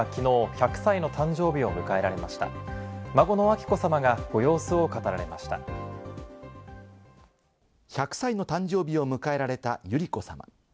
１００歳の誕生日を迎えられた百合子さま。